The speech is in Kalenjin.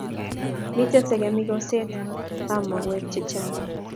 Miten sekemik oset ab mau che chang